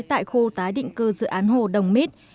tại khu tái định cư dự án hồ đồng mít